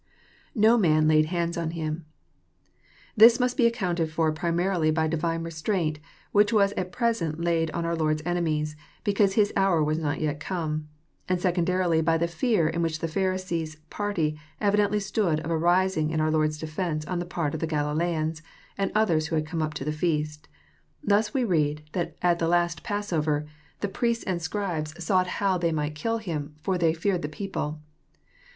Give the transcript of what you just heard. INo man laid hands on Him,] This must be accounted for primarily by divine restraint which was at present laid on our Lord's enemies, because His hour was not yet come ;— and sec ondarily by the fear in which the Pharisees' party evidently stood of a rising in our Lord's defence on the part of the Gali leans, and others who had come up to the feast. Thus we read that at the last Passover " the priests and Scribes sought how 56 EXPOSITORY THOUGHTS. they might kill Him, for they feared the people."